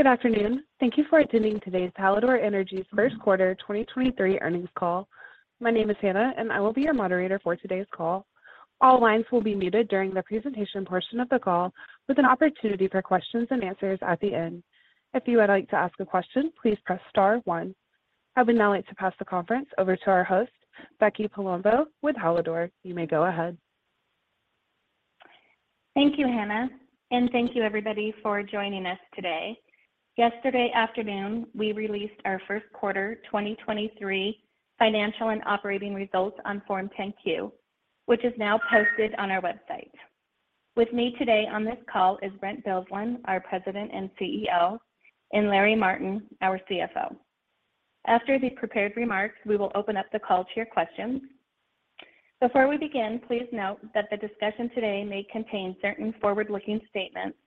Good afternoon. Thank you for attending today's Hallador Energy first quarter 2023 Earnings Call. My name is Hannah. I will be your moderator for today's call. All lines will be muted during the presentation portion of the call with an opportunity for questions and answers at the end. If you would like to ask a question, please press star one. I would now like to pass the conference over to our host, Becky Palumbo, with Hallador. You may go ahead. Thank you, Hannah. Thank you everybody for joining us today. Yesterday afternoon, we released our first quarter 2023 financial and operating results on Form 10-Q, which is now posted on our website. With me today on this call is Brent Bilsland, our President and CEO, and Larry Martin, our CFO. After the prepared remarks, we will open up the call to your questions. Before we begin, please note that the discussion today may contain certain forward-looking statements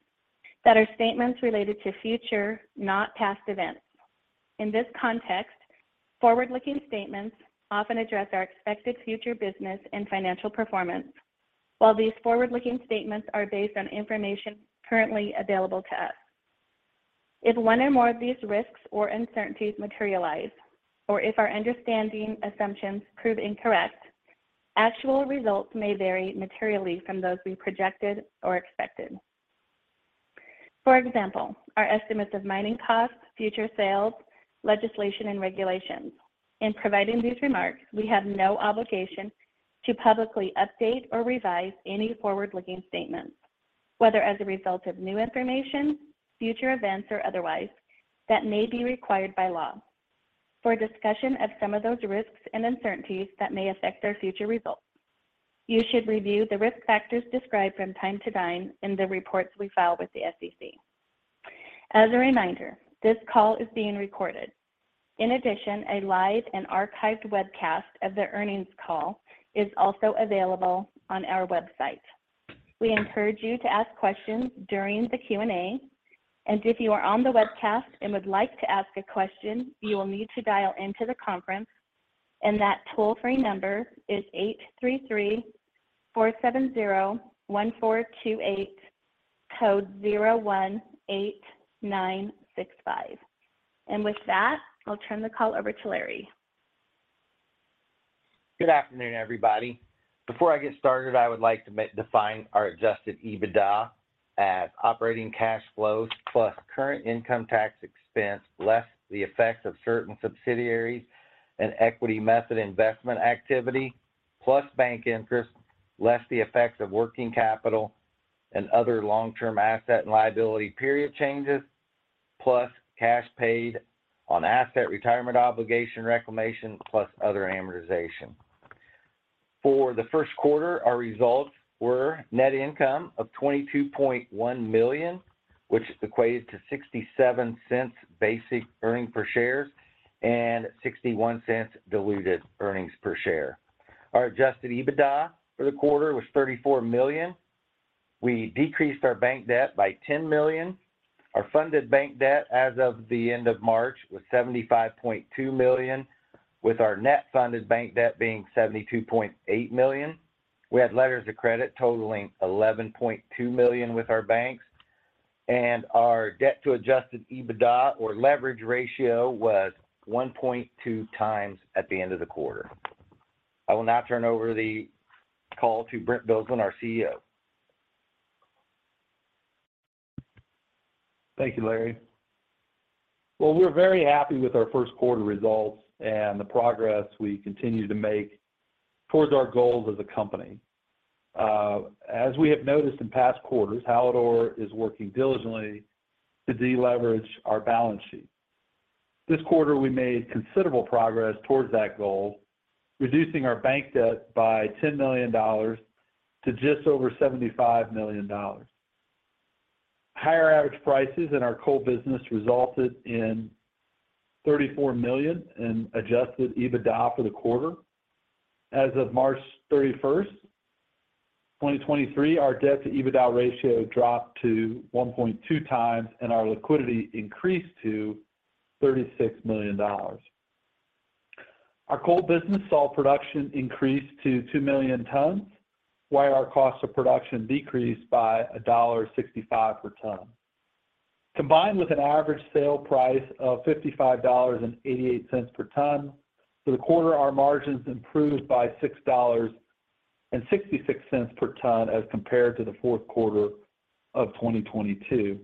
that are statements related to future, not past, events. In this context, forward-looking statements often address our expected future business and financial performance while these forward-looking statements are based on information currently available to us. If one or more of these risks or uncertainties materialize, or if our understanding assumptions prove incorrect, actual results may vary materially from those we projected or expected. For example, our estimates of mining costs, future sales, legislation, and regulations. In providing these remarks, we have no obligation to publicly update or revise any forward-looking statements, whether as a result of new information, future events, or otherwise, that may be required by law. For a discussion of some of those risks and uncertainties that may affect our future results, you should review the risk factors described from time to time in the reports we file with the SEC. As a reminder, this call is being recorded. In addition, a live and archived webcast of the earnings call is also available on our website. We encourage you to ask questions during the Q&A. If you are on the webcast and would like to ask a question, you will need to dial into the conference, and that toll-free number is 833-470-1428, code 018965. With that, I'll turn the call over to Larry. Good afternoon, everybody. Before I get started, I would like to define our adjusted EBITDA as operating cash flows plus current income tax expense less the effects of certain subsidiaries and equity method investment activity, plus bank interest less the effects of working capital and other long-term asset and liability period changes, plus cash paid on asset retirement obligation reclamation, plus other amortization. For the first quarter, our results were net income of $22.1 million, which equates to $0.67 basic earnings per share and $0.61 diluted earnings per share. Our adjusted EBITDA for the quarter was $34 million. We decreased our bank debt by $10 million. Our funded bank debt as of the end of March was $75.2 million, with our net funded bank debt being $72.8 million. We had letters of credit totaling $11.2 million with our banks, and our debt to adjusted EBITDA or leverage ratio was 1.2x at the end of the quarter. I will now turn over the call to Brent Bilsland, our CEO. Thank you, Larry. Well, we're very happy with our first quarter results and the progress we continue to make towards our goals as a company. As we have noticed in past quarters, Hallador is working diligently to deleverage our balance sheet. This quarter, we made considerable progress towards that goal, reducing our bank debt by $10 million to just over $75 million. Higher average prices in our coal business resulted in $34 million in adjusted EBITDA for the quarter. As of March 31, 2023, our debt-to-EBITDA ratio dropped to 1.2x, and our liquidity increased to $36 million. Our coal business saw production increase to 2 million tons while our cost of production decreased by $1.65 per ton. Combined with an average sale price of $55.88 per ton, for the quarter, our margins improved by $6.66 per ton as compared to the fourth quarter of 2022.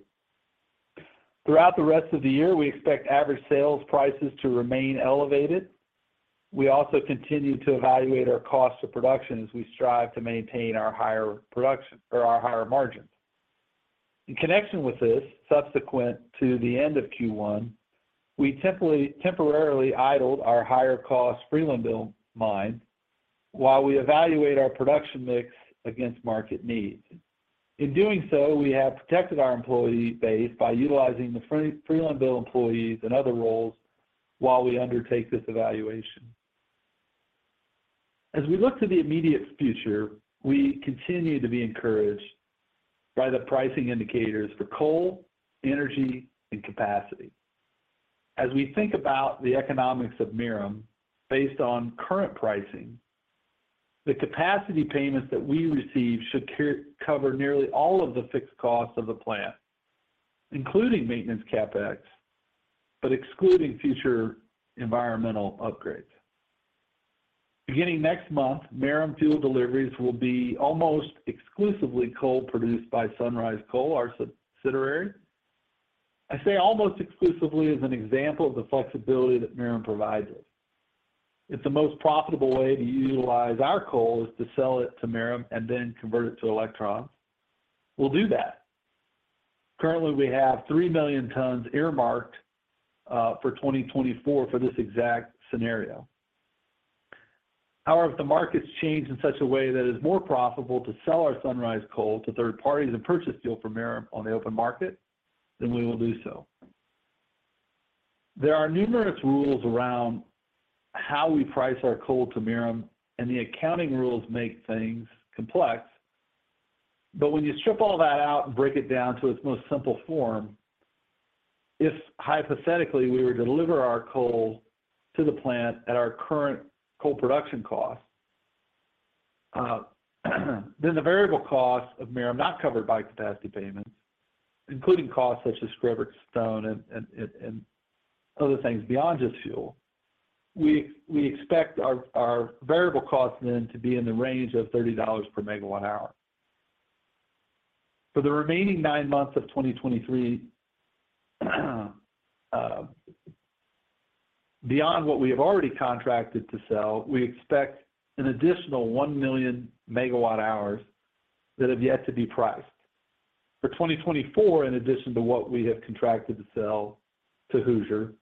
Throughout the rest of the year, we expect average sales prices to remain elevated. We also continue to evaluate our cost of production as we strive to maintain our higher production or our higher margins. In connection with this, subsequent to the end of Q1, we temporarily idled our higher-cost Freelandville mine while we evaluate our production mix against market needs. In doing so, we have protected our employee base by utilizing the Freelandville employees in other roles while we undertake this evaluation. As we look to the immediate future, we continue to be encouraged by the pricing indicators for coal, energy, and capacity. As we think about the economics of Merom based on current pricing, the capacity payments that we receive should cover nearly all of the fixed costs of the plant, including maintenance CapEx, but excluding future environmental upgrades. Beginning next month, Merom fuel deliveries will be almost exclusively coal produced by Sunrise Coal, our subsidiary. I say almost exclusively as an example of the flexibility that Merom provides us. If the most profitable way to utilize our coal is to sell it to Merom and then convert it to electrons, we'll do that. Currently, we have 3 million tons earmarked for 2024 for this exact scenario. If the markets change in such a way that is more profitable to sell our Sunrise Coal to third parties and purchase fuel from Merom on the open market, then we will do so. There are numerous rules around how we price our coal to Merom, and the accounting rules make things complex. When you strip all that out and break it down to its most simple form, if hypothetically, we were to deliver our coal to the plant at our current coal production cost, then the variable cost of Merom not covered by capacity payments, including costs such as scrubber stone and other things beyond just fuel. We expect our variable costs then to be in the range of $30 per MWh. For the remaining nine months of 2023, beyond what we have already contracted to sell, we expect an additional 1 million MWh's that have yet to be priced. For 2024, in addition to what we have contracted to sell to Hoosier,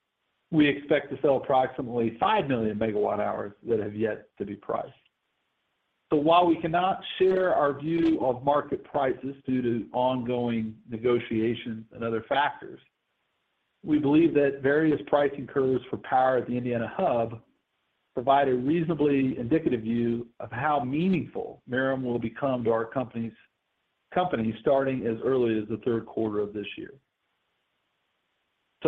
we expect to sell approximately 5 million MWhs that have yet to be priced. While we cannot share our view of market prices due to ongoing negotiations and other factors, we believe that various pricing curves for power at the Indiana Hub provide a reasonably indicative view of how meaningful Merom will become to our company starting as early as the third quarter of this year.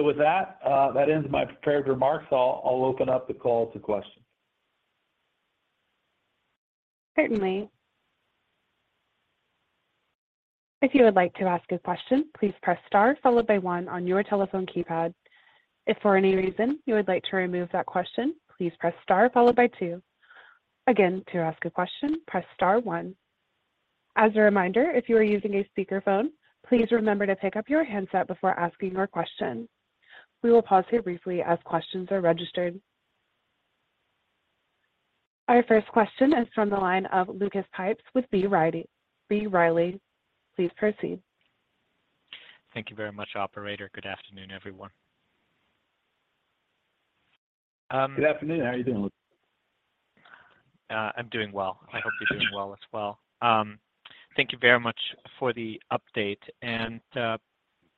With that ends my prepared remarks. I'll open up the call to questions. Certainly. If you would like to ask a question, please press star followed by one on your telephone keypad. If for any reason you would like to remove that question, please press star followed by two. Again, to ask a question, press star one. As a reminder, if you are using a speakerphone, please remember to pick up your handset before asking your question. We will pause here briefly as questions are registered. Our first question is from the line of Lucas Pipes with B. Riley. B. Riley, please proceed. Thank you very much, operator. Good afternoon, everyone. Good afternoon. How are you doing, Lucas? I'm doing well. I hope you're doing well as well. Thank you very much for the update.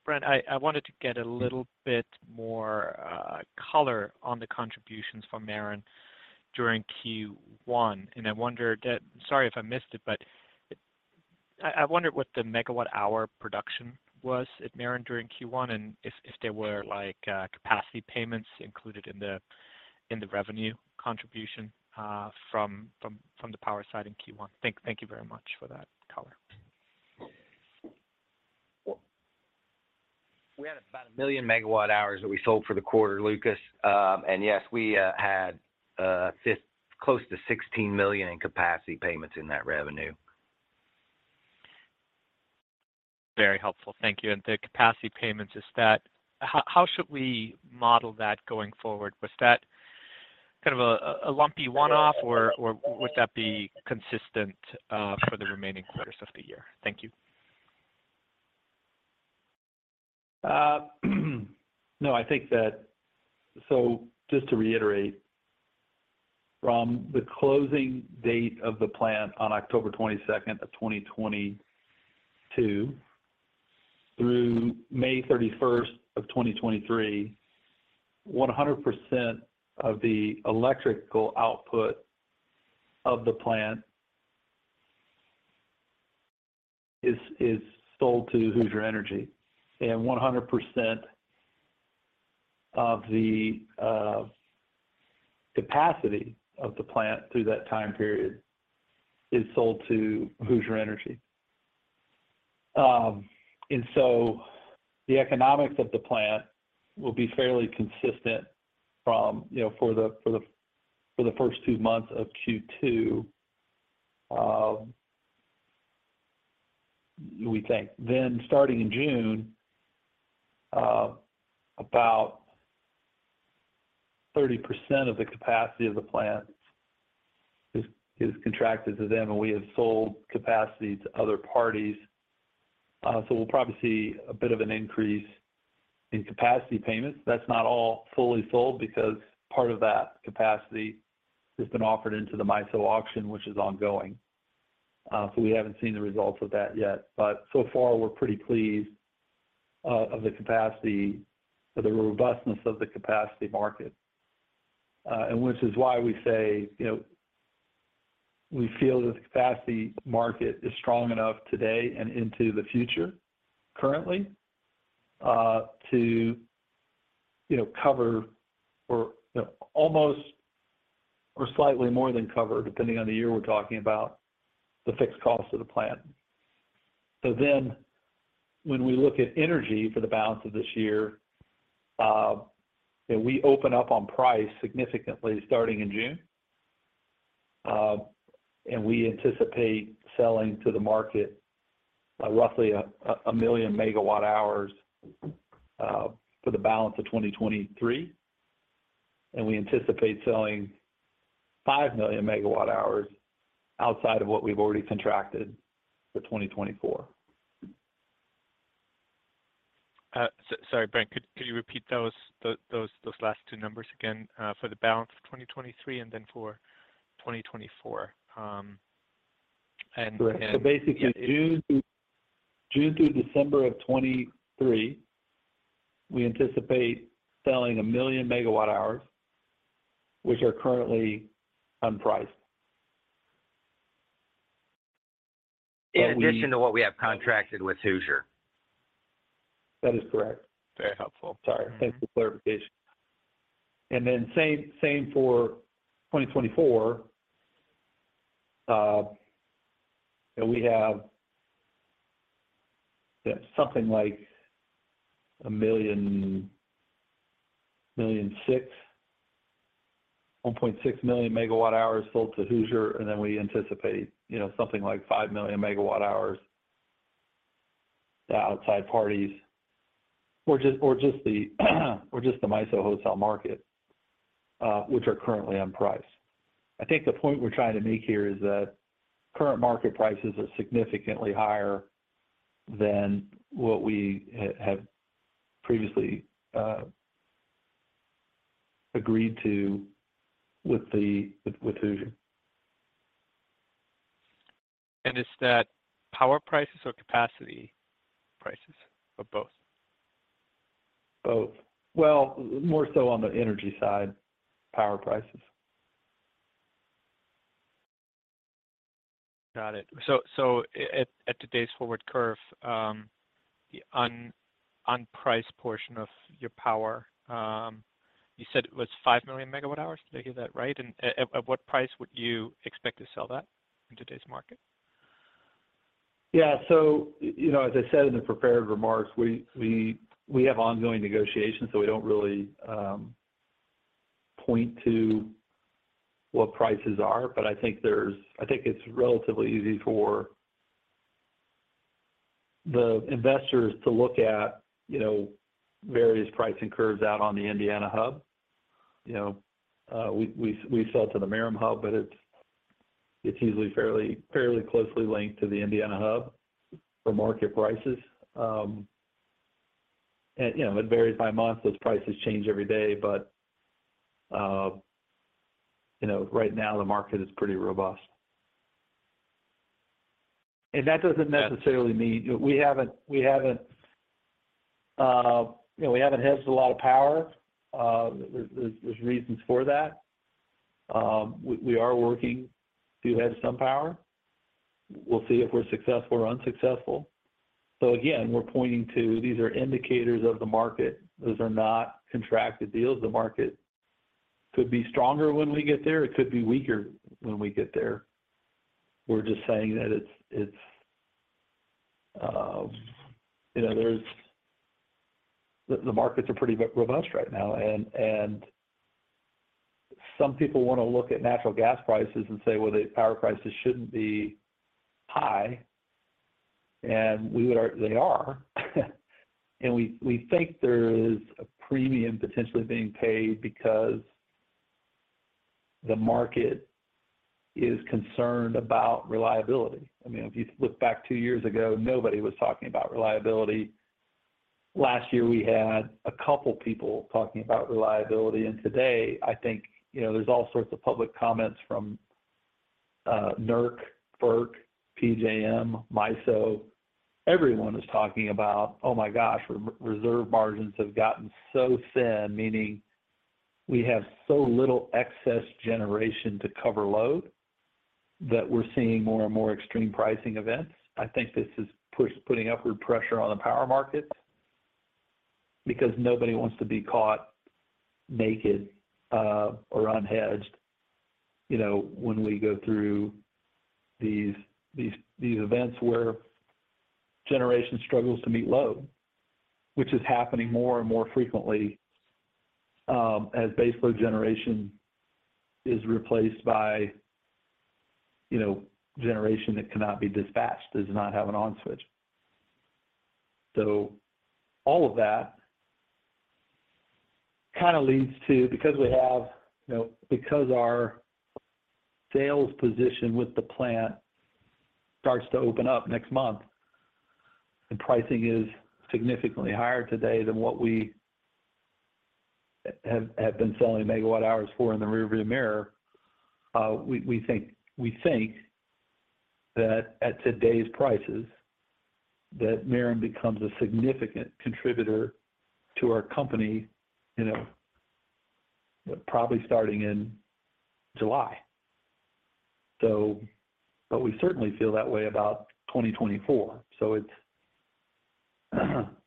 Brent, I wanted to get a little bit more color on the contributions from Merom during Q1. I wondered that... Sorry if I missed it, but I wondered what the MWh production was at Merom during Q1, and if there were, like, capacity payments included in the revenue contribution from the power side in Q1. Thank you very much for that color. We had about 1 million MWhs that we sold for the quarter, Lucas. Yes, we had close to $16 million in capacity payments in that revenue. Very helpful. Thank you. The capacity payments, how should we model that going forward? Was that kind of a lumpy one-off or would that be consistent for the remaining quarters of the year? Thank you. No, I think that. Just to reiterate, from the closing date of the plant on October 22nd of 2022 through May 31st of 2023, 100% of the electrical output of the plant is sold to Hoosier Energy, and 100% of the capacity of the plant through that time period is sold to Hoosier Energy. The economics of the plant will be fairly consistent from, you know, for the first two months of Q2, we think. Starting in June, about 30% of the capacity of the plant is contracted to them, and we have sold capacity to other parties. We'll probably see a bit of an increase in capacity payments. That's not all fully sold because part of that capacity has been offered into the MISO auction, which is ongoing. So we haven't seen the results of that yet. So far, we're pretty pleased, of the capacity or the robustness of the capacity market. Which is why we say, you know. We feel the capacity market is strong enough today and into the future currently, to, you know, cover or, you know, almost or slightly more than cover, depending on the year we're talking about, the fixed cost of the plant. When we look at energy for the balance of this year. We open up on price significantly starting in June, and we anticipate selling to the market, roughly 1 million megawatt-hours, for the balance of 2023. We anticipate selling 5 million MWh's outside of what we've already contracted for 2024. Sorry, Brent, could you repeat those last two numbers again, for the balance of 2023 and then for 2024? Correct. Basically June through December of 2023, we anticipate selling 1 million megawatt-hours, which are currently unpriced. In addition to what we have contracted with Hoosier? That is correct. Very helpful. Sorry. Thanks for the clarification. Same for 2024. We have something like 1.6 million MWh's sold to Hoosier, and then we anticipate, you know, something like 5 million MWh's to outside parties or just the MISO wholesale market, which are currently unpriced. I think the point we're trying to make here is that current market prices are significantly higher than what we have previously agreed to with Hoosier. Is that power prices or capacity prices or both? Both. Well, more so on the energy side, power prices. Got it. At today's forward curve, the unpriced portion of your power, you said it was 5 million MWh's. Did I hear that right? At what price would you expect to sell that in today's market? As I said in the prepared remarks, we have ongoing negotiations, so we don't really point to what prices are. I think it's relatively easy for the investors to look at, you know, various pricing curves out on the Indiana hub. We sell to the Merom hub, but it's usually fairly closely linked to the Indiana hub for market prices. It varies by month. Those prices change every day. Right now, the market is pretty robust. That doesn't necessarily mean we haven't, you know, hedged a lot of power. There's reasons for that. We are working to hedge some power. We'll see if we're successful or unsuccessful. Again, we're pointing to these are indicators of the market. Those are not contracted deals. The market could be stronger when we get there, it could be weaker when we get there. We're just saying that it's, you know, The markets are pretty robust right now and some people want to look at natural gas prices and say, "Well, the power prices shouldn't be high," and they are. We think there is a premium potentially being paid because the market is concerned about reliability. I mean, if you look back two years ago, nobody was talking about reliability. Last year we had a couple people talking about reliability, today I think, you know, there's all sorts of public comments from NERC, FERC, PJM, MISO. Everyone is talking about, "Oh my gosh, re-reserve margins have gotten so thin," meaning we have so little excess generation to cover load that we're seeing more and more extreme pricing events. I think this is putting upward pressure on the power market because nobody wants to be caught naked, or unhedged, you know, when we go through these events where generation struggles to meet load, which is happening more and more frequently, as baseload generation is replaced by, you know, generation that cannot be dispatched, does not have an on switch. All of that kind of leads to, because we have, you know, because our sales position with the plant starts to open up next month, and pricing is significantly higher today than what we have been selling megawatt-hours for in the rearview mirror, we think that at today's prices that Merom becomes a significant contributor to our company, you know, probably starting in July. But we certainly feel that way about 2024.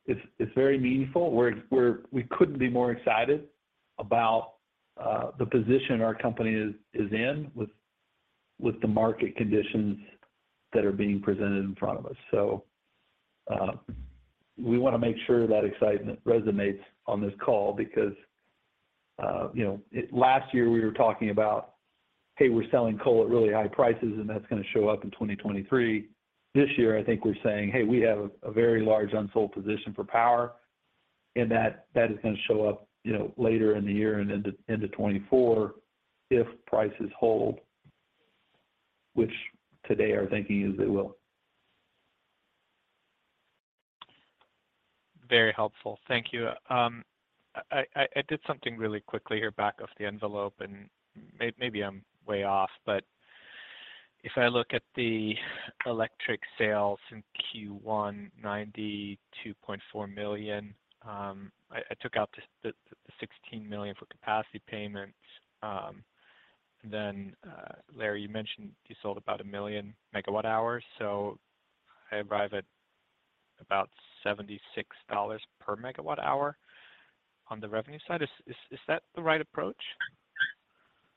It's very meaningful. We couldn't be more excited about the position our company is in with the market conditions that are being presented in front of us. We wanna make sure that excitement resonates on this call because, you know, last year we were talking about, hey, we're selling coal at really high prices, and that's gonna show up in 2023. This year, I think we're saying, "Hey, we have a very large unsold position for power," and that is gonna show up, you know, later in the year and into 2024 if prices hold, which today are thinking is they will. Very helpful. Thank you. I did something really quickly here back of the envelope, and maybe I'm way off. But if I look at the electric sales in Q1, $92.4 million, I took out the $16 million for capacity payments. Then Larry, you mentioned you sold about 1 million MWhs. I arrive at about $76 per MWh on the revenue side. Is that the right approach?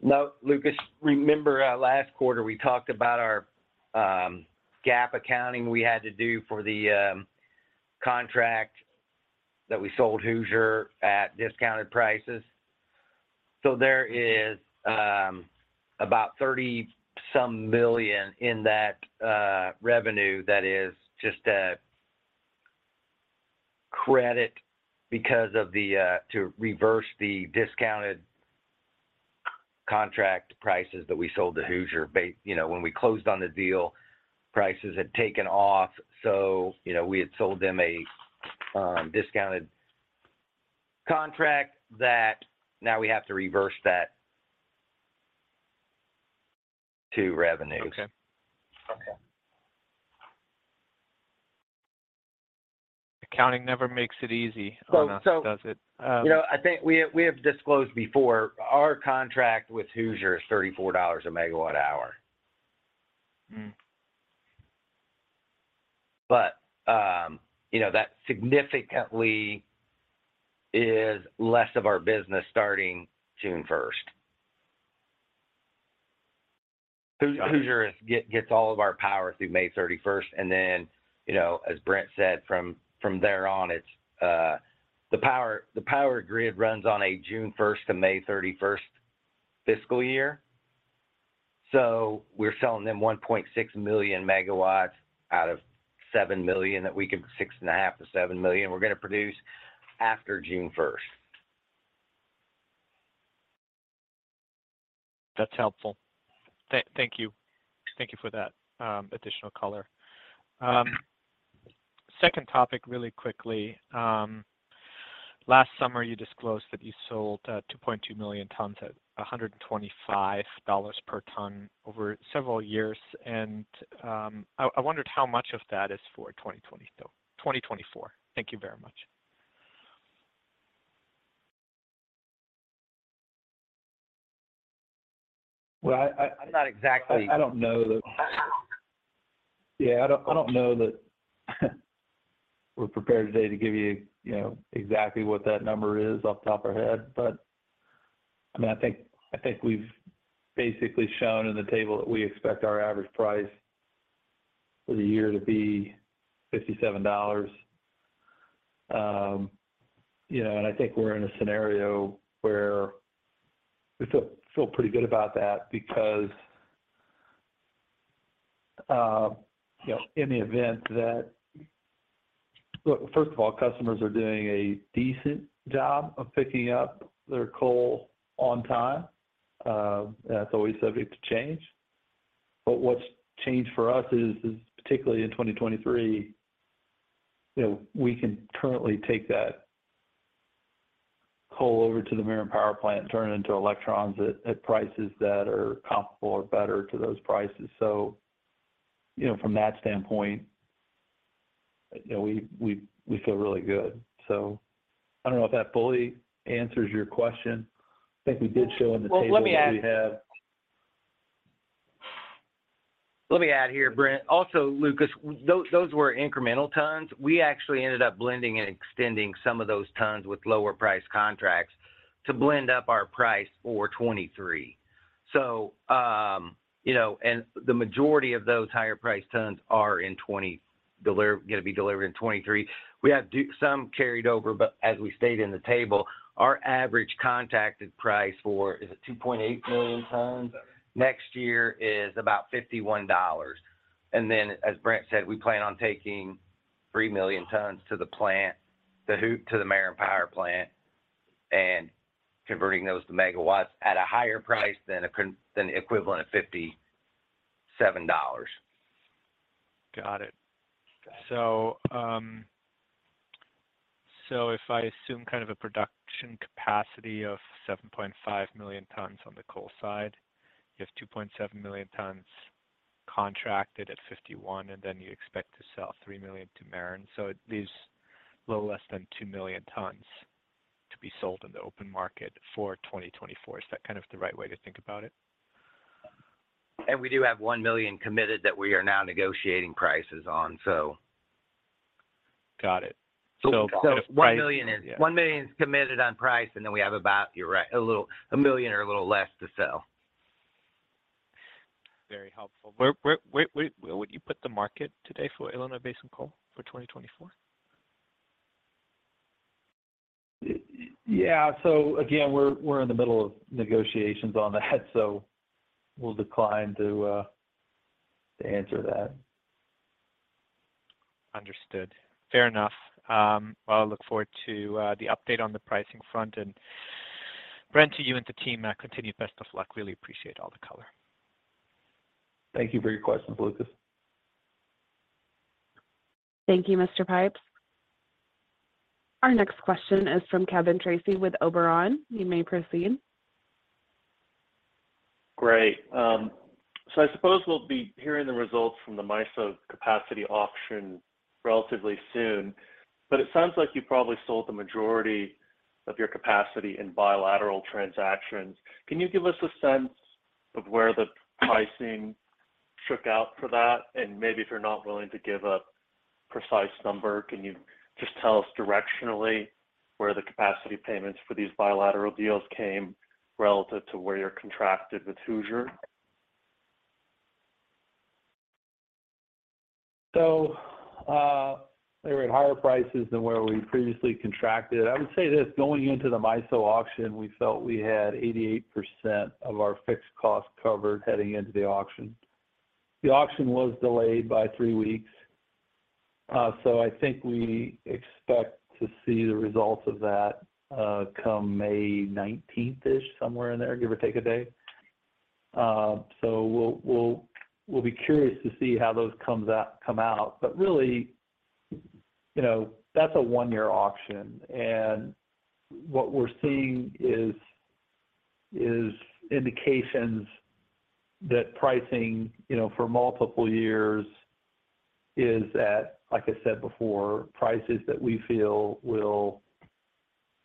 No, Lucas. Remember, last quarter we talked about our gap accounting we had to do for the contract that we sold Hoosier at discounted prices. There is about $30 some million in that revenue that is just a credit because of the to reverse the discounted contract prices that we sold to Hoosier. You know, when we closed on the deal, prices had taken off, so, you know, we had sold them a discounted contract that now we have to reverse that to revenue. Okay. Okay. Accounting never makes it easy- So, so- ...on us, does it? You know, I think we have disclosed before our contract with Hoosier is $34 a MWh. Mm-hmm. You know, that significantly is less of our business starting June 1st. Hoosier gets all of our power through May 31st. You know, as Brent said, from there on, it's the power grid runs on a June 1st to May 31st fiscal year. We're selling them 1.6 million MW's out of 6.5 million-7 million we're gonna produce after June 1st. That's helpful. Thank you. Thank you for that additional color. Second topic really quickly. Last summer you disclosed that you sold 2.2 million tons at $125 per ton over several years. I wondered how much of that is for 2020 though, 2024. Thank you very much. Well. I'm not. I don't know that. Yeah, I don't know that we're prepared today to give you know, exactly what that number is off the top of our head. I mean, I think we've basically shown in the table that we expect our average price for the year to be $57. You know, and I think we're in a scenario where we feel pretty good about that because, you know, in the event that. Look, first of all, customers are doing a decent job of picking up their coal on time. That's always subject to change. What's changed for us is particularly in 2023, you know, we can currently take that coal over to the Merom Power Plant and turn it into electrons at prices that are comparable or better to those prices. you know, from that standpoint, you know, we feel really good. I don't know if that fully answers your question. I think we did show. Well, let me add-. we have. Let me add here, Brent. Also, Lucas, those were incremental tons. We actually ended up blending and extending some of those tons with lower priced contracts to blend up our price for 2023. You know, the majority of those higher priced tons are gonna be delivered in 2023. We have some carried over, but as we stated in the table, our average contacted price for, is it 2.8 million tons? Next year is about $51. Then as Brent said, we plan on taking 3 million tons to the plant, to the Merom Power Plant and converting those to MW's at a higher price than the equivalent of $57. Got it. If I assume kind of a production capacity of 7.5 million tons on the coal side, you have 2.7 million tons contracted at $51, and then you expect to sell 3 million to Merom. It leaves a little less than 2 million tons to be sold in the open market for 2024. Is that kind of the right way to think about it? We do have $1 million committed that we are now negotiating prices on. Got it. $1 million is committed on price, and then we have about, you're right, $1 million or a little less to sell. Very helpful. Where would you put the market today for Illinois Basin coal for 2024? Yeah. Again, we're in the middle of negotiations on that, so we'll decline to answer that. Understood. Fair enough. Well, I look forward to the update on the pricing front. Brent, to you and the team, continued best of luck. Really appreciate all the color. Thank you for your questions, Lucas. Thank you, Mr. Pipes. Our next question is from Kevin Tracey with Oberon. You may proceed. Great. I suppose we'll be hearing the results from the MISO capacity auction relatively soon, but it sounds like you probably sold the majority of your capacity in bilateral transactions. Can you give us a sense of where the pricing shook out for that? And maybe if you're not willing to give a precise number, can you just tell us directionally where the capacity payments for these bilateral deals came relative to where you're contracted with Hoosier? They were at higher prices than where we previously contracted. I would say this, going into the MISO auction, we felt we had 88% of our fixed costs covered heading into the auction. The auction was delayed by three weeks, so I think we expect to see the results of that, come May 19th-ish, somewhere in there, give or take a day. We'll be curious to see how those come out. Really, you know, that's a 1-year auction. What we're seeing is indications that pricing, you know, for multiple years is at, like I said before, prices that we feel will,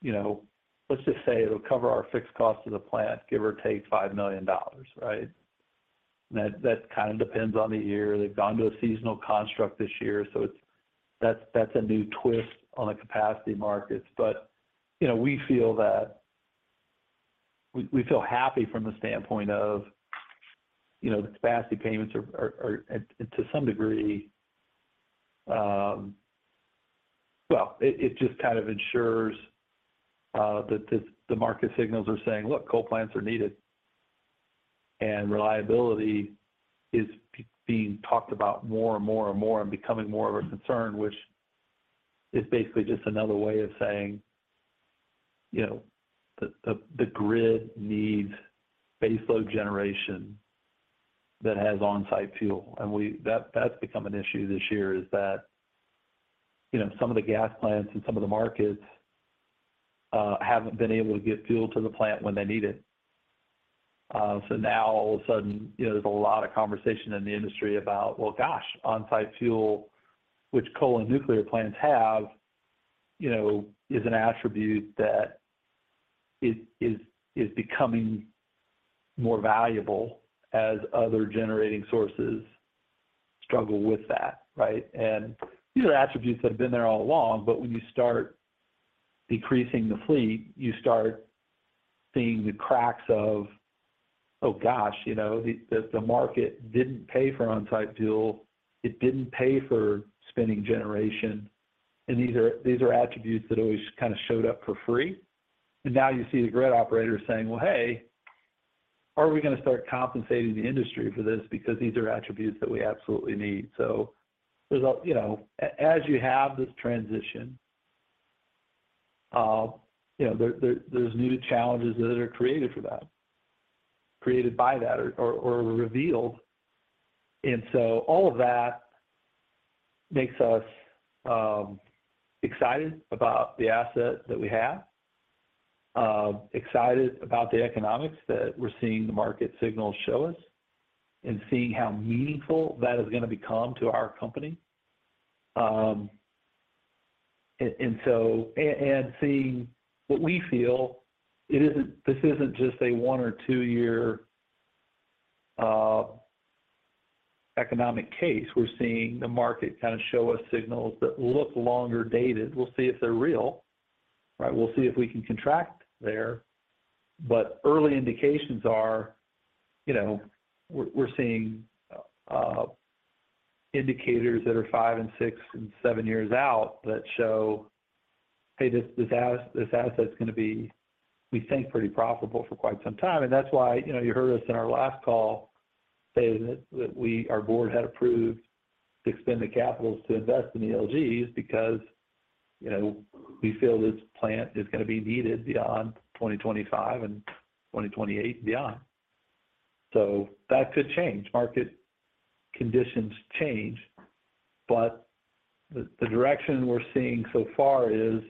you know, let's just say it'll cover our fixed cost of the plant, give or take $5 million, right? That kind of depends on the year. They've gone to a seasonal construct this year, so that's a new twist on the capacity markets. you know, we feel that. We feel happy from the standpoint of, you know, the capacity payments are to some degree. Well, it just kind of ensures that the market signals are saying, "Look, coal plants are needed." reliability is being talked about more and more and becoming more of a concern, which is basically just another way of saying, you know, the grid needs baseload generation that has on-site fuel. That's become an issue this year, is that, you know, some of the gas plants in some of the markets haven't been able to get fuel to the plant when they need it. Now all of a sudden, you know, there's a lot of conversation in the industry about, well, gosh, on-site fuel, which coal and nuclear plants have, you know, is an attribute that is becoming more valuable as other generating sources struggle with that, right? These are attributes that have been there all along, but when you start decreasing the fleet, you start seeing the cracks of, oh, gosh, you know, the market didn't pay for on-site fuel. It didn't pay for spinning reserve. These are attributes that always kind of showed up for free. Now you see the grid operators saying, "Well, hey, are we gonna start compensating the industry for this? Because these are attributes that we absolutely need." You know, as you have this transition, you know, there's new challenges that are created for that, created by that or revealed. All of that makes us excited about the asset that we have, excited about the economics that we're seeing the market signals show us, and seeing how meaningful that is gonna become to our company. Seeing what we feel, this isn't just a one or two year economic case. We're seeing the market kind of show us signals that look longer dated. We'll see if they're real, right? We'll see if we can contract there. early indications are, you know, we're seeing indicators that are 5 and 6 and 7 years out that show, hey, this asset's gonna be, we think, pretty profitable for quite some time. That's why, you know, you heard us in our last call saying that, our board had approved to extend the capitals to invest in ELGs because, you know, we feel this plant is gonna be needed beyond 2025 and 2028 and beyond. That could change. Market conditions change, the direction we're seeing so far is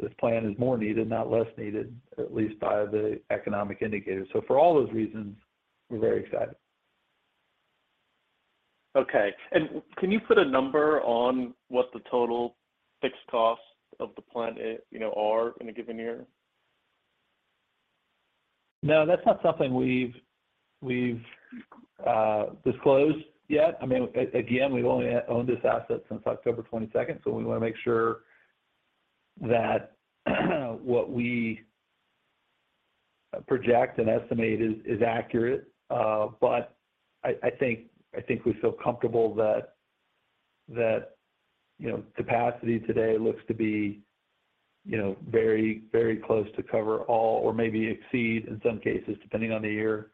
this plant is more needed, not less needed, at least by the economic indicators. For all those reasons, we're very excited. Okay. Can you put a number on what the total fixed costs of the plant you know, are in a given year? No, that's not something we've disclosed yet. I mean, again, we've only owned this asset since October 22nd, so we wanna make sure that what we project and estimate is accurate. I think we feel comfortable that, you know, capacity today looks to be, you know, very close to cover all or maybe exceed in some cases, depending on the year,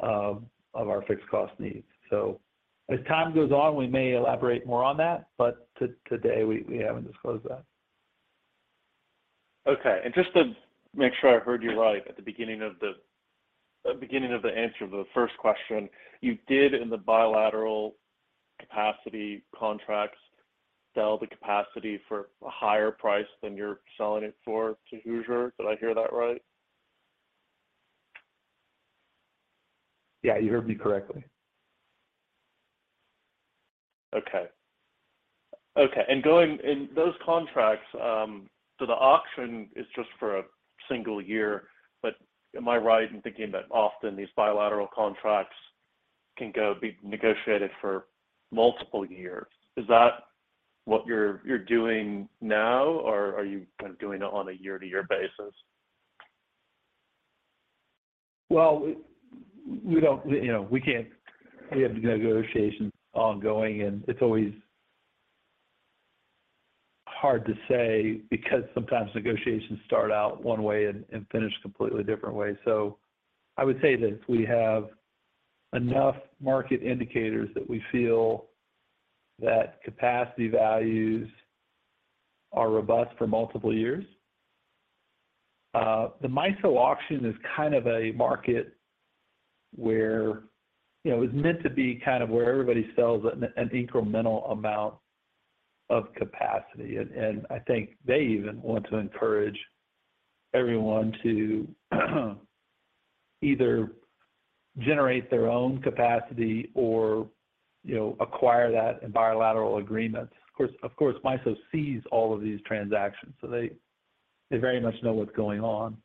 of our fixed cost needs. As time goes on, we may elaborate more on that, but today we haven't disclosed that. Okay. Just to make sure I heard you right, at the beginning of the answer of the first question, you did in the bilateral capacity contracts sell the capacity for a higher price than you're selling it for to Hoosier. Did I hear that right? Yeah, you heard me correctly. Okay. Okay. In those contracts, the auction is just for a single year, am I right in thinking that often these bilateral contracts can go be negotiated for multiple years? Is that what you're doing now, or are you kind of doing it on a year-to-year basis? Well, we don't, you know, we can't. We have negotiations ongoing. It's always hard to say because sometimes negotiations start out one way and finish completely different ways. I would say this, we have enough market indicators that we feel that capacity values are robust for multiple years. The MISO auction is kind of a market where. You know, it was meant to be kind of where everybody sells an incremental amount of capacity. I think they even want to encourage everyone to either generate their own capacity or, you know, acquire that in bilateral agreements. Of course, MISO sees all of these transactions, so they very much know what's going on.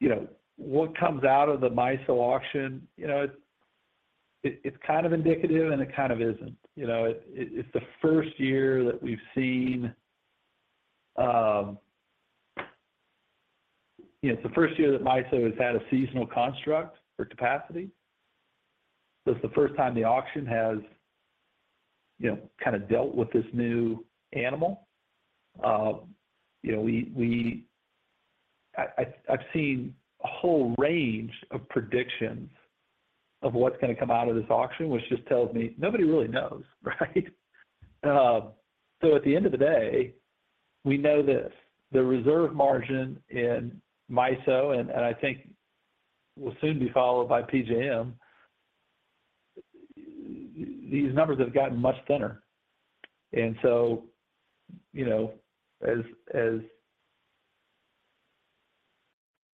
You know, what comes out of the MISO auction, you know, it's kind of indicative, and it kind of isn't. You know? It's the first year that we've seen. You know, it's the first year that MISO has had a seasonal construct for capacity. It's the first time the auction has, you know, kind of dealt with this new animal. You know, I've seen a whole range of predictions of what's gonna come out of this auction, which just tells me nobody really knows, right? At the end of the day, we know this: the reserve margin in MISO, and I think will soon be followed by PJM, these numbers have gotten much thinner. You know, as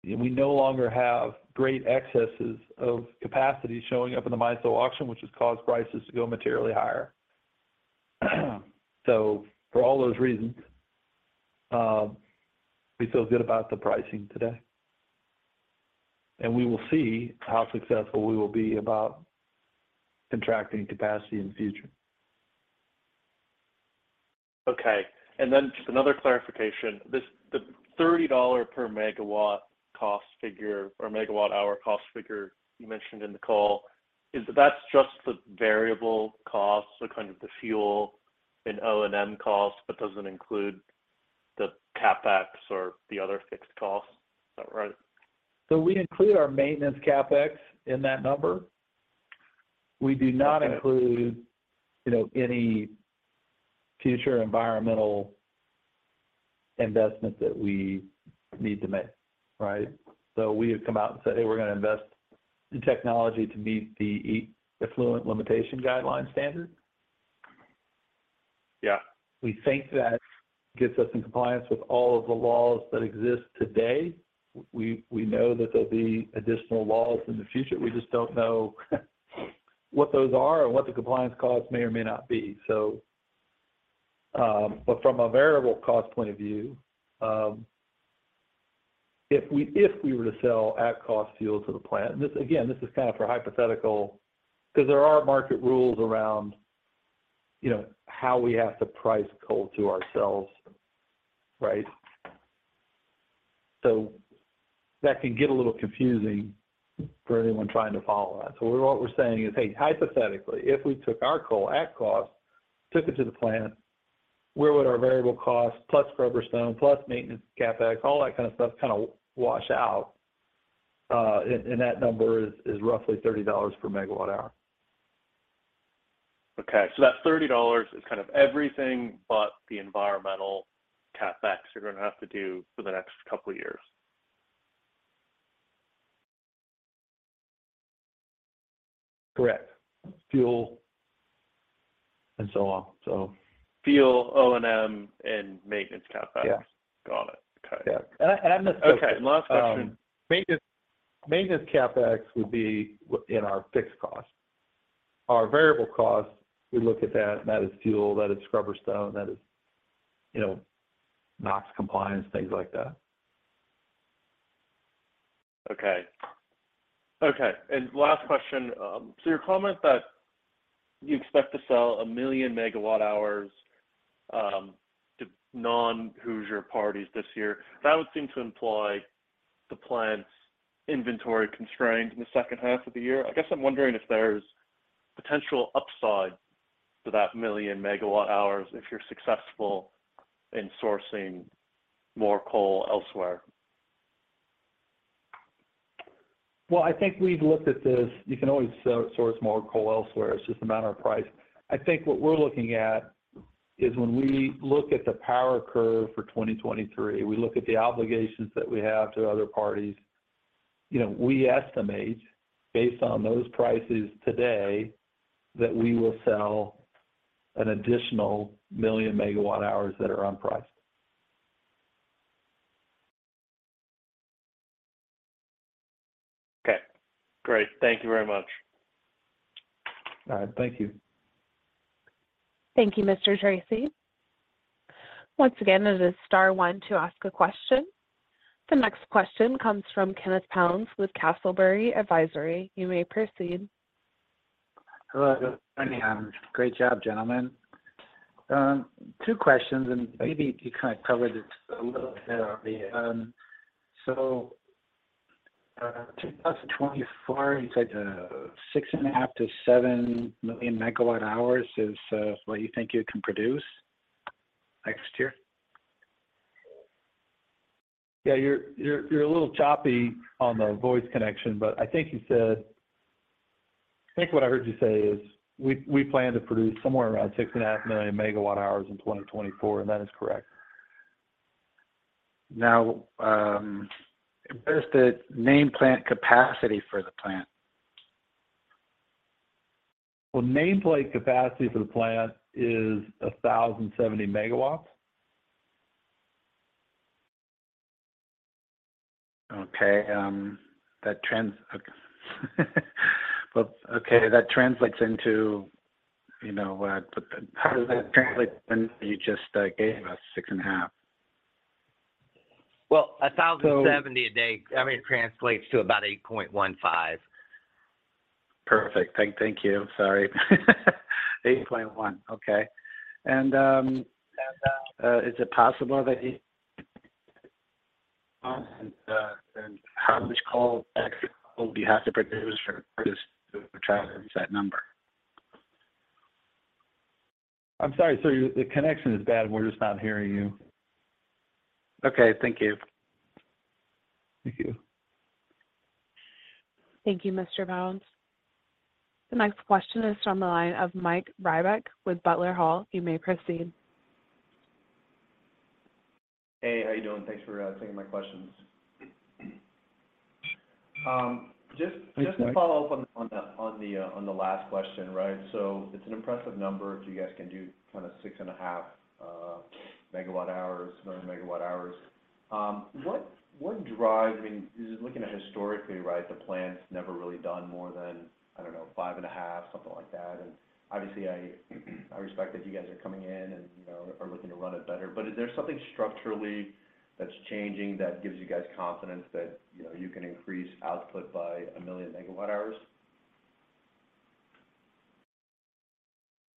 We no longer have great excesses of capacity showing up in the MISO auction, which has caused prices to go materially higher. For all those reasons, we feel good about the pricing today. We will see how successful we will be about contracting capacity in the future. Okay. Just another clarification. The $30 per megawatt cost figure or MWh cost figure you mentioned in the call, that's just the variable costs or kind of the fuel and O&M costs, but doesn't include the CapEx or the other fixed costs. Is that right? We include our maintenance CapEx in that number. We do not include. Okay... you know, any future environmental investment that we need to make. Right? We have come out and said, "Hey, we're gonna invest in technology to meet the effluent limitations guidelines standard. Yeah. We think that gets us in compliance with all of the laws that exist today. We know that there'll be additional laws in the future. We just don't know what those are or what the compliance costs may or may not be. But from a variable cost point of view, if we were to sell at-cost fuel to the plant, and this, again, this is kind of for hypothetical 'cause there are market rules around, you know, how we have to price coal to ourselves, right? That can get a little confusing for anyone trying to follow that. What we're saying is, hey, hypothetically, if we took our coal at cost, took it to the plant, where would our variable cost plus scrubber stone, plus maintenance, CapEx, all that kind of stuff wash out? That number is roughly $30 per MWh. Okay, that $30 is kind of everything but the environmental CapEx you're gonna have to do for the next couple years? Correct. Fuel and so on, so. Fuel, O&M, and maintenance CapEx. Yeah. Got it. Okay. Yeah. I must say... Okay. Last question. maintenance CapEx would be in our fixed cost. Our variable cost, we look at that, and that is fuel, that is scrubber stone, that is, you know, NOX compliance, things like that. Okay. Okay, last question. Your comment that you expect to sell 1 million MWhs to non-Hoosier parties this year, that would seem to imply the plant's inventory constrained in the second half of the year. I guess I'm wondering if there's potential upside to that 1 million MWhs if you're successful in sourcing more coal elsewhere? I think we've looked at this. You can always source more coal elsewhere, it's just a matter of price. I think what we're looking at is when we look at the power curve for 2023, we look at the obligations that we have to other parties, you know, we estimate, based on those prices today, that we will sell an additional 1 million MWhs that are unpriced. Okay. Great. Thank you very much. All right. Thank you. Thank you, Mr. Tracey. Once again, it is star one to ask a question. The next question comes from Kenneth Pounds with Castleberry Advisory. You may proceed. Hello. Good morning. Great job, gentlemen. two questions, and maybe you kind of covered it a little bit already. 2024, you said, 6.5 million-7 million MWhs is what you think you can produce next year? Yeah, you're a little choppy on the voice connection. I think you said... I think what I heard you say is we plan to produce somewhere around 6.5 million MWhs in 2024. That is correct. what is the nameplate capacity for the plant? Nameplate capacity for the plant is 1,070 MW's. Okay. Well, okay, that translates into, you know, how does that translate to the number you just gave us, 6.5? Well, 1,070 a day, I mean, it translates to about 8.15. Perfect. Thank you. Sorry. 8.1. Okay. How much coal extra would you have to produce for this to try to reach that number? I'm sorry, sir, the connection is bad, and we're just not hearing you. Okay, thank you. Thank you. Thank you, Mr. Pounds. The next question is from the line of Mike Rybak with Butler Hall. You may proceed. Hey, how you doing? Thanks for taking my questions. Hey, Mike. Just to follow up on the last question, right? It's an impressive number if you guys can do kind of 6.5 million MWhs. What drives... I mean, just looking at historically, right, the plant's never really done more than, I don't know, 5.5, something like that. Obviously I respect that you guys are coming in and, you know, are looking to run it better. Is there something structurally that's changing that gives you guys confidence that, you know, you can increase output by 1 million MWhs?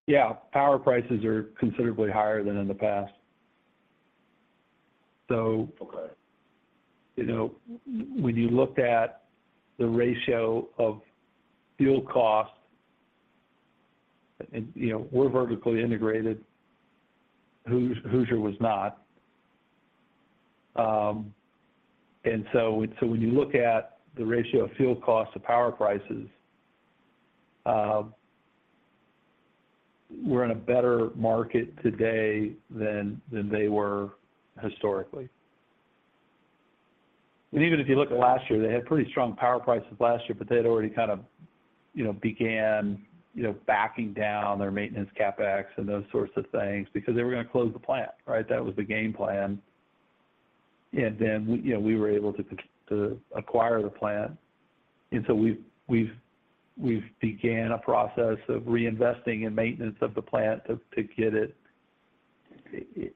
Yeah. Power prices are considerably higher than in the past. Okay... you know, when you looked at the ratio of fuel cost, and, you know, we're vertically integrated, Hoosier was not. So when you look at the ratio of fuel cost to power prices, we're in a better market today than they were historically. Even if you look at last year, they had pretty strong power prices last year, but they had already kind of, you know, began, you know, backing down their maintenance CapEx and those sorts of things because they were gonna close the plant, right? That was the game plan. Then we, you know, we were able to acquire the plant. So we've began a process of reinvesting in maintenance of the plant to get it... It,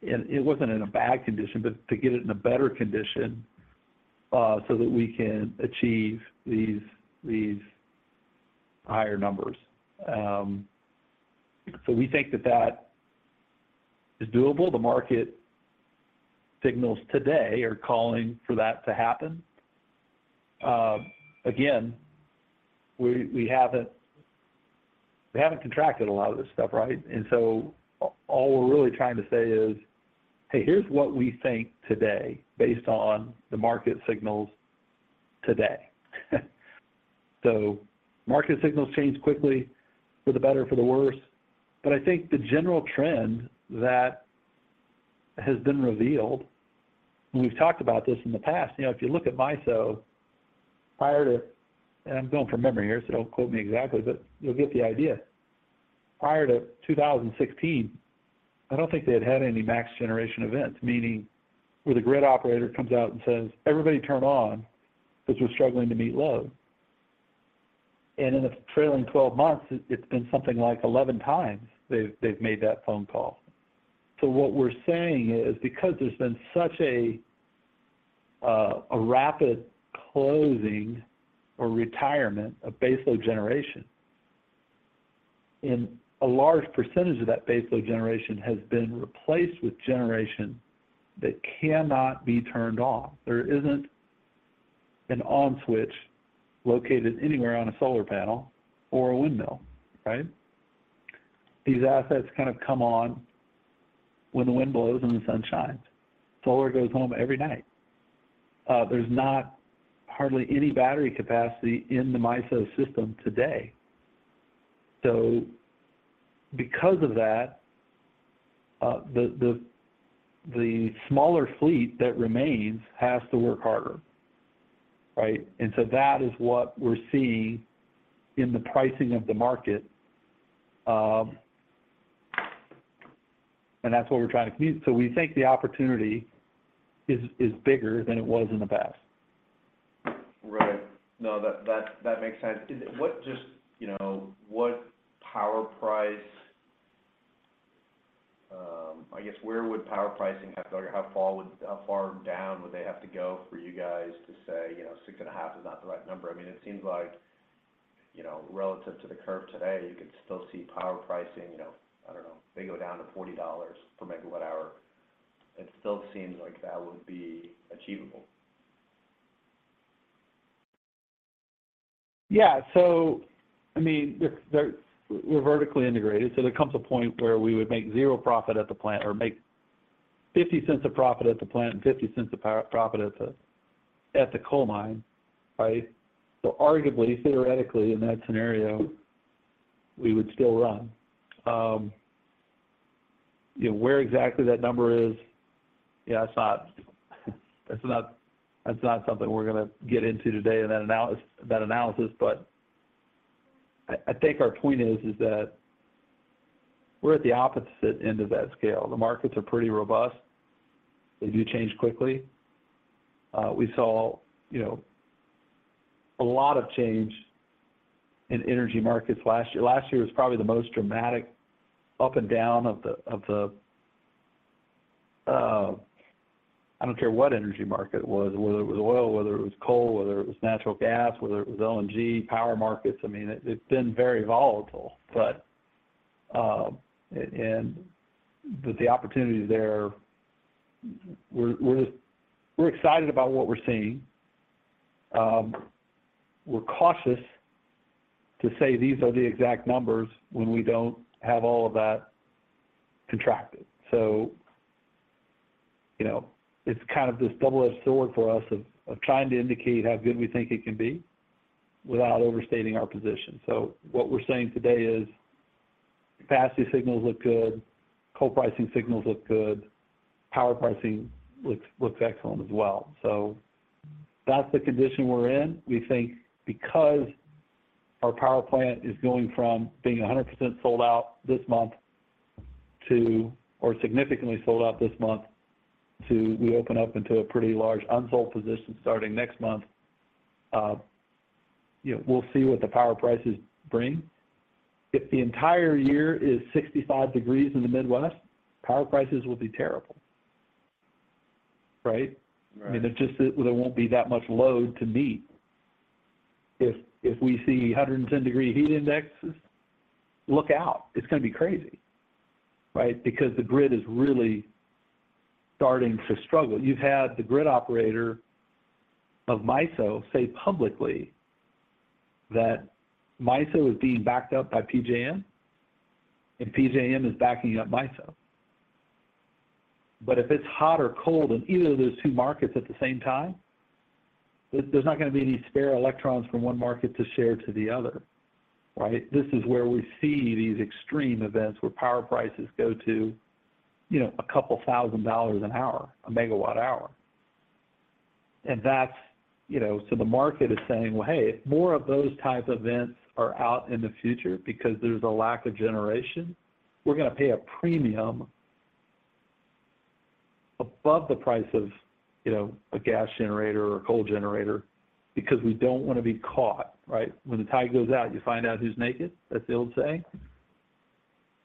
and it wasn't in a bad condition, but to get it in a better condition, so that we can achieve these higher numbers. We think that that is doable. The market signals today are calling for that to happen. Again, we haven't contracted a lot of this stuff, right? All we're really trying to say is, Hey, here's what we think today based on the market signals today. Market signals change quickly for the better, for the worse. I think the general trend that has been revealed, and we've talked about this in the past, you know, if you look at MISO prior to, and I'm going from memory here, so don't quote me exactly, but you'll get the idea. Prior to 2016, I don't think they had had any Maximum Generation Events, meaning where the grid operator comes out and says, everybody turn on because we're struggling to meet load. In the trailing 12 months, it's been something like 11x they've made that phone call. What we're saying is because there's been such a rapid closing or retirement of baseload generation, and a large percentage of that baseload generation has been replaced with generation that cannot be turned off. There isn't an on switch located anywhere on a solar panel or a windmill, right? These assets kind of come on when the wind blows and the sun shines. Solar goes home every night. There's not hardly any battery capacity in the MISO system today. Because of that, the smaller fleet that remains has to work harder, right? That is what we're seeing in the pricing of the market. That's what we're trying to communicate. We think the opportunity is bigger than it was in the past. Right. No, that makes sense. What just, you know, what power price, I guess, where would power pricing have to go? How far down would they have to go for you guys to say, you know, 6.5 is not the right number? I mean, it seems like, you know, relative to the curve today, you could still see power pricing, you know, I don't know, they go down to $40 per MWh. It still seems like that would be achievable. I mean, we're vertically integrated. There comes a point where we would make 0 profit at the plant or make $0.50 of profit at the plant and $0.50 of profit at the coal mine, right? Arguably, theoretically, in that scenario, we would still run. You know, where exactly that number is, that's not something we're going to get into today in that analysis. I think our point is that we're at the opposite end of that scale. The markets are pretty robust. They do change quickly. We saw, you know, a lot of change in energy markets last year. Last year was probably the most dramatic up and down of the, I don't care what energy market it was, whether it was oil, whether it was coal, whether it was natural gas, whether it was LNG, power markets. I mean, it's been very volatile. The opportunity is there. We're excited about what we're seeing. We're cautious to say these are the exact numbers when we don't have all of that contracted. You know, it's kind of this double-edged sword for us of trying to indicate how good we think it can be without overstating our position. What we're saying today is capacity signals look good. Coal pricing signals look good. Power pricing looks excellent as well. That's the condition we're in. We think because our power plant is going from being 100% sold out this month to, or significantly sold out this month to we open up into a pretty large unsold position starting next month. You know, we'll see what the power prices bring. If the entire year is 65 degrees in the Midwest, power prices will be terrible, right? I mean, it's just that there won't be that much load to meet. If we see 110 degree heat indexes, look out. It's going to be crazy, right? The grid is really starting to struggle. You've had the grid operator of MISO say publicly that MISO is being backed up by PJM and PJM is backing up MISO. If it's hot or cold in either of those two markets at the same time, there's not going to be any spare electrons from one market to share to the other, right? This is where we see these extreme events where power prices go to, you know, a couple thousand dollars an hour, a MWh. That's, you know, the market is saying, well, hey, if more of those type events are out in the future because there's a lack of generation, we're going to pay a premium above the price of, you know, a gas generator or a coal generator because we don't want to be caught, right? When the tide goes out, you find out who's naked, as they'll say.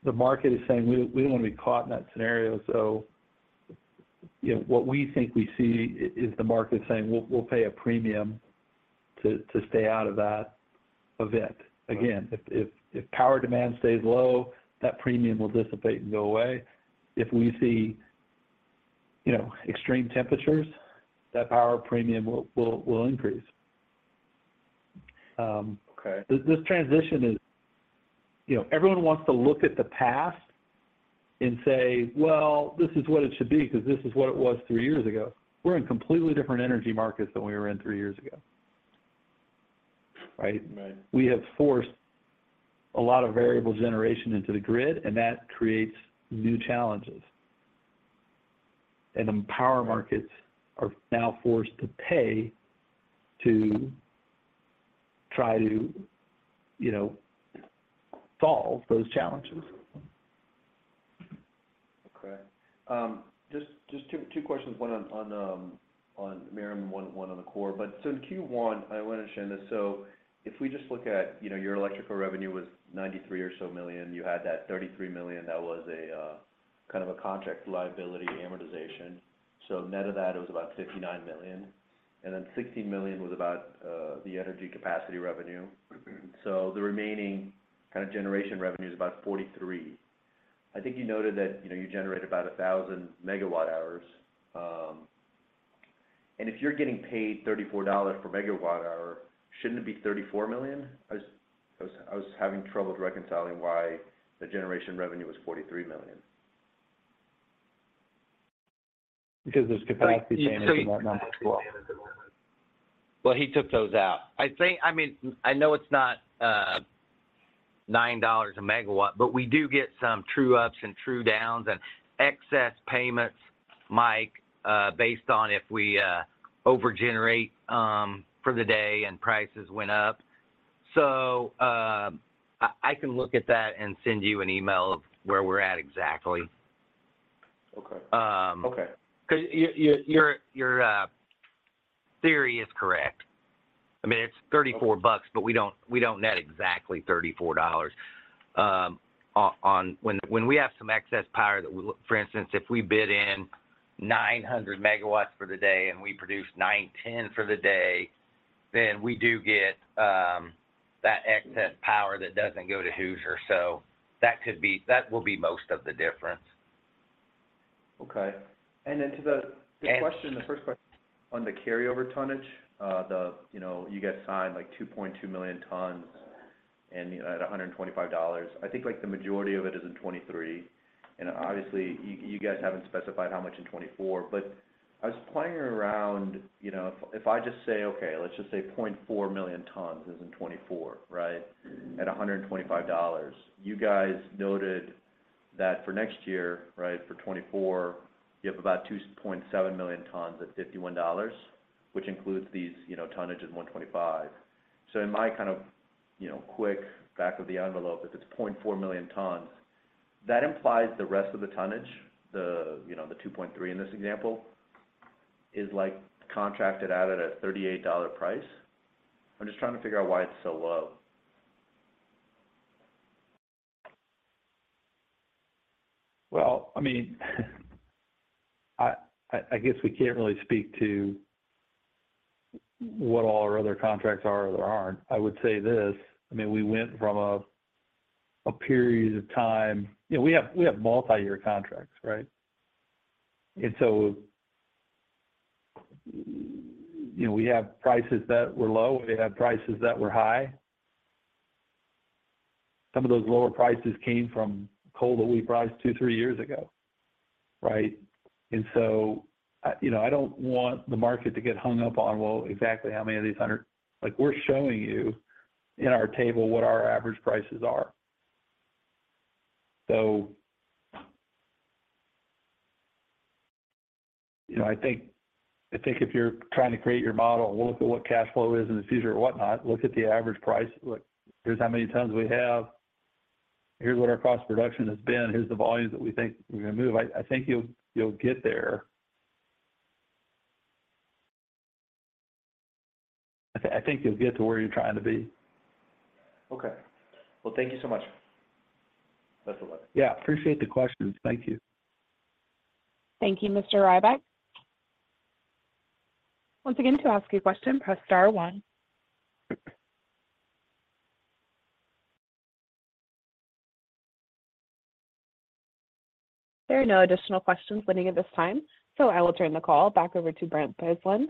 The market is saying we don't want to be caught in that scenario. You know, what we think we see is the market saying we'll pay a premium to stay out of that event. Again, if power demand stays low, that premium will dissipate and go away. If we see, you know, extreme temperatures, that power premium will increase. Okay. This transition is, you know, everyone wants to look at the past and say, "Well, this is what it should be because this is what it was three years ago." We're in completely different energy markets than we were in three years ago, right? Right. We have forced a lot of variable generation into the grid, and that creates new challenges. The power markets are now forced to pay to try to, you know, solve those challenges. Just two questions. One on Merom and one on the core. In Q1, I want to understand this. If we just look at, you know, your electrical revenue was $93 million or so. You had that $33 million that was a kind of a contract liability amortization. Net of that, it was about $59 million. Sixteen million was about the energy capacity revenue. Mm-hmm. The remaining kind of generation revenue is about $43 million. I think you noted that, you know, you generate about 1,000 MWhs. And if you're getting paid $34 per MWh, shouldn't it be $34 million? I was having trouble reconciling why the generation revenue was $43 million. There's capacity damage in that number as well. He took those out. I think, I mean, I know it's not $9 a megawatt, but we do get some true ups and true downs and excess payments, Mike, based on if we over-generate for the day and prices went up. I can look at that and send you an email of where we're at exactly. Okay. Um- Okay. 'Cause your theory is correct. I mean, it's $34, but we don't net exactly $34, when we have some excess power that, for instance, if we bid in 900 MW's for the day and we produce 910 for the day, we do get that excess power that doesn't go to Hoosier. That will be most of the difference. Okay. Then to the question. And- The first question. On the carryover tonnage, the, you know, you guys signed like 2.2 million tons and at $125. I think like the majority of it is in 2023. Obviously you guys haven't specified how much in 2024. I was playing around, you know, if I just say, okay, let's just say 0.4 million tons is in 2024, right? Mm-hmm. At $125. You guys noted that for next year, right, for 2024, you have about 2.7 million tons at $51, which includes these, you know, tonnage at $125. In my kind of, you know, quick back of the envelope, if it's 0.4 million tons, that implies the rest of the tonnage, the, you know, the 2.3 million tons in this example, is like contracted out at a $38 price. I'm just trying to figure out why it's so low. Well, I mean, I guess we can't really speak to what all our other contracts are or aren't. I would say this. I mean, we went from a period of time... You know, we have multi-year contracts, right? You know, we have prices that were low and we have prices that were high. Some of those lower prices came from coal that we priced two, three years ago, right? You know, I don't want the market to get hung up on, well, exactly how many of these 100... Like, we're showing you in our table what our average prices are. You know, I think if you're trying to create your model and look at what cash flow is in the future or whatnot, look at the average price. Look, here's how many tons we have. Here's what our cost production has been. Here's the volumes that we think we're gonna move. I think you'll get there. I think you'll get to where you're trying to be. Okay. Thank you so much. Best of luck. Appreciate the questions. Thank you. Thank you, Mr. Rybak. Once again, to ask a question, press star one. There are no additional questions waiting at this time. I will turn the call back over to Brent Bilsland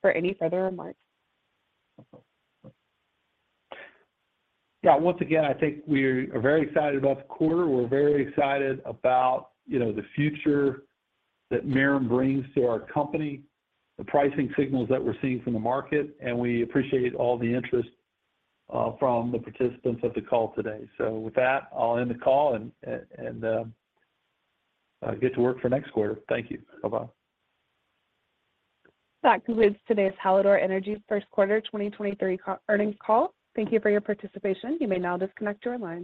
for any further remarks. Yeah. Once again, I think we are very excited about the quarter. We're very excited about, you know, the future that Merom brings to our company, the pricing signals that we're seeing from the market, and we appreciate all the interest from the participants of the call today. With that, I'll end the call and get to work for next quarter. Thank you. Bye-bye. That concludes today's Hallador Energy first quarter 2023 earnings call. Thank you for your participation. You may now disconnect your lines.